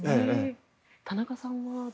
田中さんは？